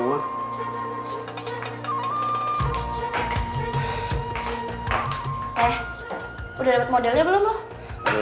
eh udah dapet modelnya belum lo